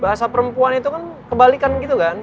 bahasa perempuan itu kan kebalikan gitu kan